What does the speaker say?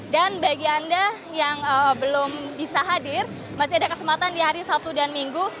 dan bagi anda yang belum bisa hadir masih ada kesempatan di hari sabtu dan minggu